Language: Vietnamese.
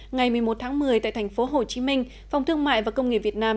ngày một mươi một tháng một mươi tại thành phố hồ chí minh phòng thương mại và công nghệ việt nam